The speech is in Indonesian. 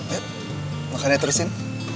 yuk makannya tulisin